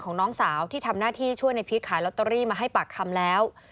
น้องสาวที่ทำหน้าที่ช่วยในพีชขายลอตเตอรี่มาให้ปากคำแล้ว